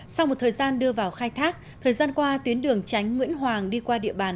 sau một thời gian đưa vào khai thác thời gian qua tuyến đường tránh nguyễn hoàng đi qua địa bàn